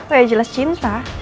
oh ya jelas cinta